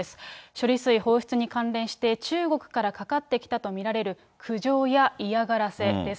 処理水放出に関連して、中国からかかってきたと見られる苦情や嫌がらせです。